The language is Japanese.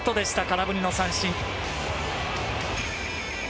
空振りの三振。